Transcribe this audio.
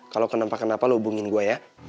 kalau kenapa kenapa lu hubungin gua ya